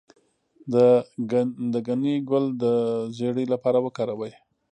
د ګنی ګل د زیړي لپاره وکاروئ